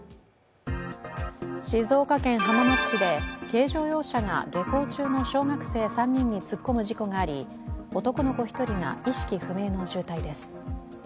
静岡県浜松市で軽乗用車が下校中の小学生３人に突っ込む事故があり、男の子１人が意識不明の重体です。